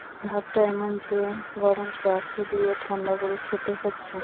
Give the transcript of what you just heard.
ভাবটা এমন যে, গরম চা ফুঁ দিয়ে ঠাণ্ডা করে খেতে হচ্ছে।